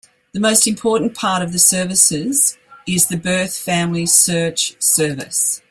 The most important part of the services is the Birth Family Search service.